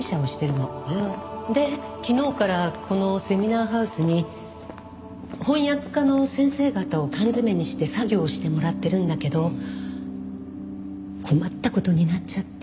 で昨日からこのセミナーハウスに翻訳家の先生方を缶詰めにして作業をしてもらってるんだけど困った事になっちゃって。